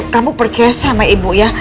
kamu percaya sama ibu ya